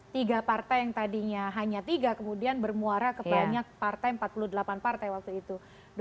tiga partai yang tadinya hanya tiga kemudian bermuara ke banyak partai empat puluh delapan partai waktu itu